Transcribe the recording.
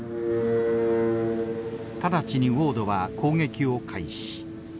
直ちにウォードは攻撃を開始。